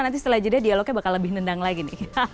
nanti setelah jeda dialognya bakal lebih nendang lagi nih